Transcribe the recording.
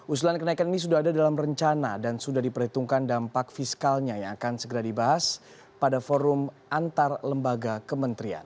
usulan kenaikan ini sudah ada dalam rencana dan sudah diperhitungkan dampak fiskalnya yang akan segera dibahas pada forum antar lembaga kementerian